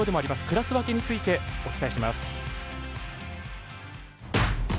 クラス分けについてお伝えします。